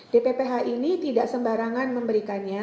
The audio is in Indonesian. dpph ini tidak sembarangan memberikannya